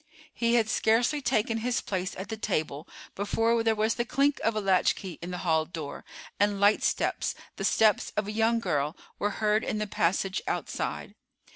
He had scarcely taken his place at the table before there was the click of a latchkey in the hall door, and light steps, the steps of a young girl, were heard in the passage outside.